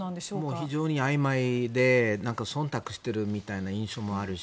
非常にあいまいで忖度してるみたいな印象もあるし